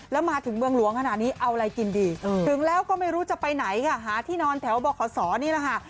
แล้วมาถึงเมืองหลวงขนาดนี้เอาอะไรกินดีถึงแล้วก็ไม่รู้จะไปไหนค่ะหาที่นอนแถวบขศนี่แหละค่ะ